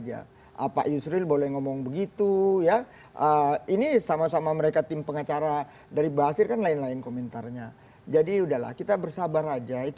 jangan kita mendahului lah bersabar